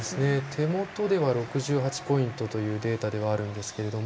手元では６８ポイントというデータではあるんですが。